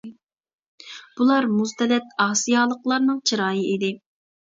بۇلار مۇز تەلەت ئاسىيالىقلارنىڭ چىرايى ئىدى.